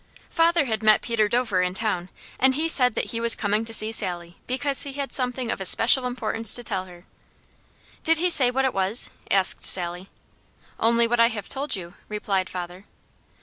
Father had met Peter Dover in town, and he had said that he was coming to see Sally, because he had something of especial importance to tell her. "Did he say what it was?" asked Sally. "Only what I have told you," replied father.